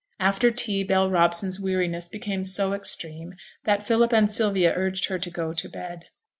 After tea Bell Robson's weariness became so extreme, that Philip and Sylvia urged her to go to bed.